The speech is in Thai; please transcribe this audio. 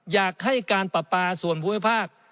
อยากให้การปราปาส่วนภูมิภาค